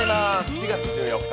４月１４日